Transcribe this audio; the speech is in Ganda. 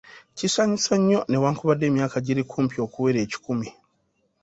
Kisanyusa nnyo, newakubadde emyaka giri kumpi okuwera ekikumi.